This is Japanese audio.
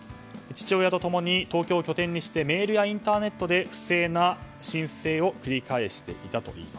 父親とともに東京を拠点にしてメールやインターネットで不正な申請を繰り返していたと。